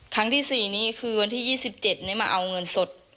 ครั้งที่๔นี้คือวันที่๒๗นี้มาเอาเงินสด